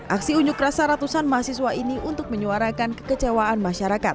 aksi unjuk rasa ratusan mahasiswa ini untuk menyuarakan kekecewaan masyarakat